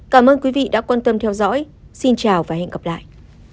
cảm ơn quý vị đã quan tâm theo dõi xin chào và hẹn gặp lại